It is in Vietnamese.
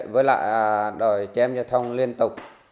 với lại đòi chém giao thông liên tục